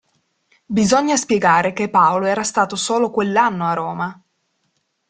Bisogna spiegare che Paolo era stato solo quell'anno a Roma.